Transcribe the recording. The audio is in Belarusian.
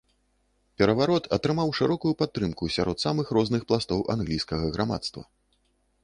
Пераварот атрымаў шырокую падтрымку сярод самых розных пластоў англійскага грамадства.